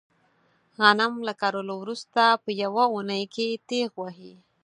غنم له کرلو ورسته په یوه اونۍ کې تېغ وهي.